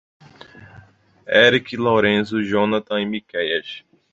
Erick, Lorenzo, Jonathan e Miquéias